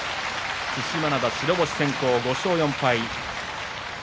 對馬洋、白星先行、５勝４敗。